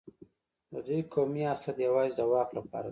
د دوی قومي حسد یوازې د واک لپاره دی.